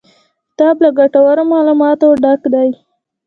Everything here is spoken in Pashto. کتاب له ګټورو معلوماتو ډک دی.